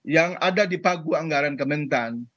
yang ada di pagu anggaran kementan